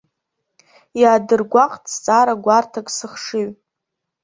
Иаадыргәаҟт зҵаара гәарҭак сыхшыҩ.